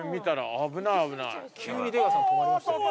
急に出川さん止まりましたよね。